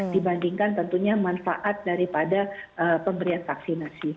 dibandingkan tentunya manfaat daripada pemberian vaksinasi